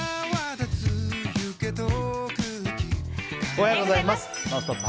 おはようございます。